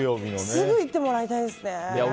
すぐ行ってもらいたいですね。